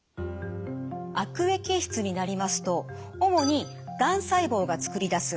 悪液質になりますと主にがん細胞がつくり出す